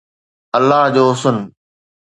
الله جو حسن